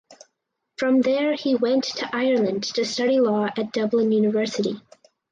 From there he went to Ireland to study law at Dublin University.